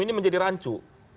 ini menjadi rancu